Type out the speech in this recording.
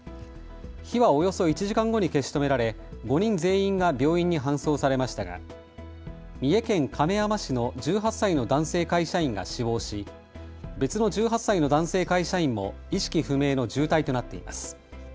火はおよそ１時間後に消し止められ５人全員が病院に搬送されましたが三重県亀山市の１８歳の男性会社員が死亡し別の１８歳の男性会社員も意識不明の重体となっています。